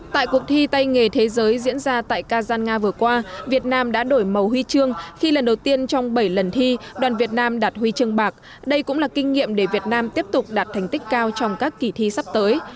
tại cuộc thi tay nghề thế giới diễn ra tại kazan nga vừa qua việt nam đã đổi màu huy chương khi lần đầu tiên trong bảy lần thi đoàn việt nam đạt huy chương bạc đây cũng là kinh nghiệm để việt nam tiếp tục đạt thành tích cao trong các kỳ thi sắp tới